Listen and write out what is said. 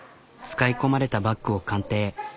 使い込まれたバッグを鑑定。